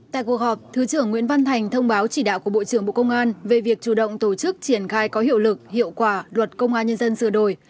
tại cuộc họp thứ trưởng nguyễn văn thành thông báo chỉ đạo của bộ trưởng bộ công an về việc chủ động tổ chức triển khai có hiệu lực hiệu quả luật công an nhân dân sửa đổi